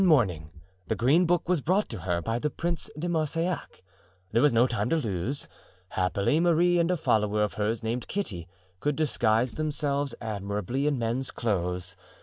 "One morning the green book was brought to her by the Prince de Marsillac. There was no time to lose. Happily Marie and a follower of hers named Kitty could disguise themselves admirably in men's clothes.